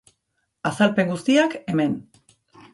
Azalpen guztiak, hemen.